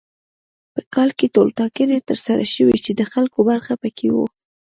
په کال ټولټاکنې تر سره شوې چې د خلکو برخه پکې وه.